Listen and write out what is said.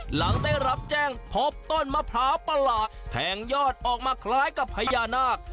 หลังได้รับแจ้งพบต้นมะพร้าวประหลาดแทงยอดออกมาคล้ายกับพญานาค